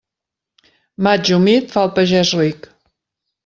Maig humit, fa el pagès ric.